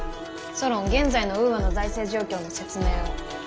ソロン現在のウーアの財政状況の説明を。